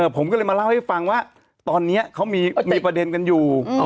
ผมก็เลยมาเล่าให้ฟังว่าตอนนี้เขามีประเด็นกันอยู่